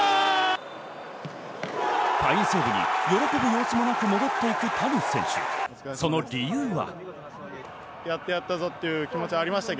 ファインセーブに喜ぶ様子もなく戻っていく谷選手、その理由は。